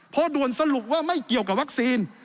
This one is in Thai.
พอด่วนสรุปว่าไม่เกี่ยวกับวัคซีน